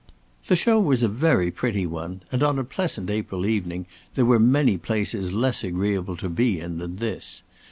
The show was a very pretty one, and on a pleasant April evening there were many places less agreeable to be in than this.